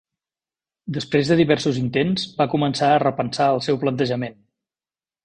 Després de diversos intents, va començar a repensar el seu plantejament.